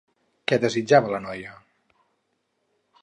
Què desitjava la noia?